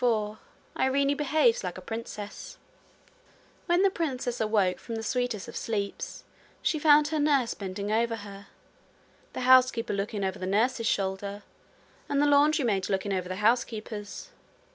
CHAPTER 24 Irene Behaves Like a Princess When the princess awoke from the sweetest of sleeps, she found her nurse bending over her, the housekeeper looking over the nurse's shoulder, and the laundry maid looking over the housekeeper's.